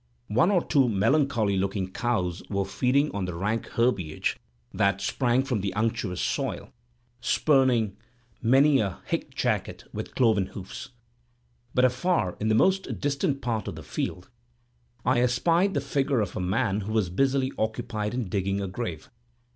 One or two melancholy looking cows were feeding on the rank herbage that sprang from the unctuous soil, spurning many a hic jacet with their cloven hoofs. But afar, in the most distant part of the field, I espied the figure of a man who was busily occupied in digging a grave.